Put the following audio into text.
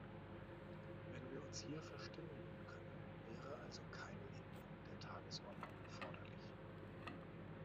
Wenn wir uns hier verständigen können, wäre also keine Änderung der Tagesordnung erforderlich.